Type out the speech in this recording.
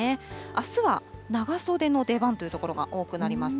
あすは長袖の出番という所が多くなります。